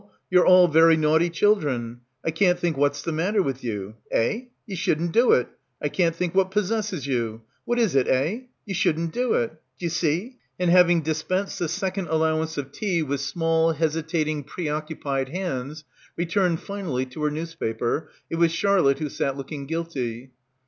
you're all very naughty children. I can't think what's the matter with you? Eh? Ye shouldn't do it. I can't think what possesses you. What is it, eh? Ye shouldn't do it. D'you see? — and having dispensed the second allowance of tea with small 8 5 PILGRIMAGE hesitating preoccupied hands returned finally to her newspaper, it was Charlotte who sat looking guilty.